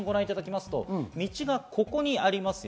道がここにあります。